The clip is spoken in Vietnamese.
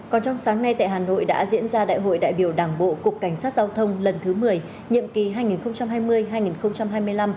còn trong sáng nay tại hà nội đã diễn ra đại hội đại biểu đảng bộ cục cảnh sát giao thông lần thứ một mươi nhiệm kỳ hai nghìn hai mươi hai nghìn hai mươi năm